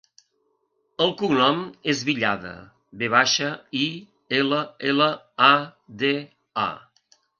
El cognom és Villada: ve baixa, i, ela, ela, a, de, a.